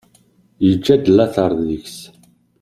Yeǧǧa-d later deg-s.